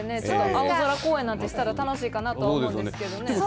青空公演なんてしたら楽しいかなと思うんですけれど。